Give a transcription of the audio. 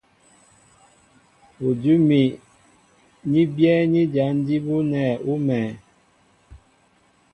Udʉ́ úmi ní byɛ́ɛ́ní jǎn jí bú nɛ̂ ú mɛ̄ɛ̄.